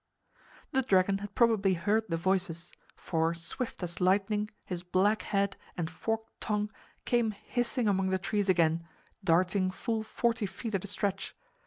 The dragon had probably heard the voices, for swift as lightning his black head and forked tongue came hissing among the trees again, darting full forty feet at a stretch.